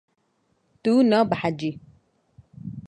Tu nabehecî.